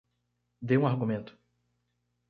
Dê um argumento